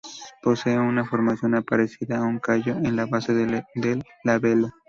Poseen una formación parecida a un callo en la base del labelo.